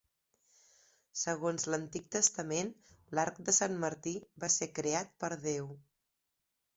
Segons l'Antic Testament, l'arc de Sant Martí va ser creat per Déu.